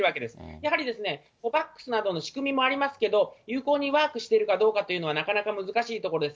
やはり、コバックスなどの仕組みもありますけども、有効にワークしているかどうかというのは、なかなか難しいところです。